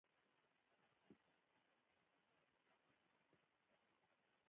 سوداګري پرې نه شوه ترسره شي.